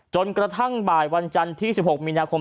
จนกระทั่งบ่ายวันจันทร์ที่๑๖มีนาคม